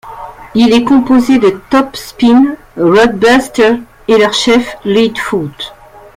Il est composé de Topspin, Roadbuster et leur chef Leadfoot.